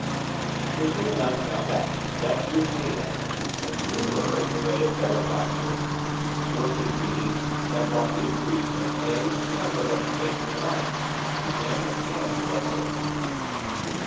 He quickly enough found out the stuff she was made of, and threw her in the way of better class work–work, indeed, that brought increase of pay and of reputation alike to him and to Loveday.